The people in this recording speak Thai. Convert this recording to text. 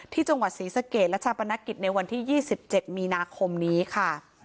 ที่จังหวัดศรีสะเกดและชาปนกิจในวันที่๒๗มีนาคมนี้ค่ะ